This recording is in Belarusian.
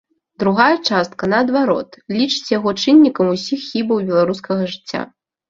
Другая частка, наадварот, лічыць яго чыннікам усіх хібаў беларускага жыцця.